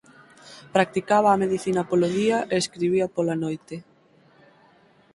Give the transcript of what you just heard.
Practicaba a medicina polo día e escribía pola noite.